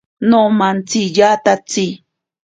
Nomantsiyatatsi.